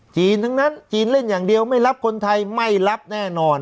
ทั้งนั้นจีนเล่นอย่างเดียวไม่รับคนไทยไม่รับแน่นอน